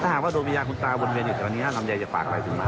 ถ้าหากว่าโดยวิญญาณคุณตาบนเวรอีกตอนนี้ลำไยจะฟังอะไรถึงมา